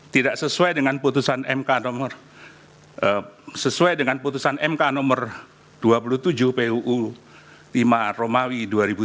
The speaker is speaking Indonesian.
tidak sesuai dengan putusan mk nomor dua puluh tujuh puu timah romawi dua ribu tujuh